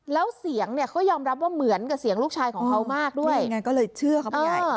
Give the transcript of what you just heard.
แล้วเสียงเนี่ยเขายอมรับว่าเหมือนกับเสียงลูกชายของเขามากด้วยนี่อย่างนั้นก็เลยเชื่อครับยาย